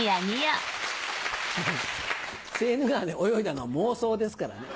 セーヌ川で泳いだのは妄想ですからね。